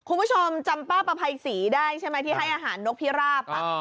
คุณผู้ชมจำป้าประภัยศรีได้ใช่ไหมที่ให้อาหารนกพิราบ